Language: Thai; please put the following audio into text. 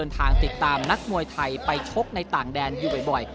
ทางติดตามนักมวยไทยไปชกในต่างแดนอยู่บ่อย